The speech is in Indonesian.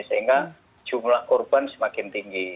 sehingga jumlah korban semakin tinggi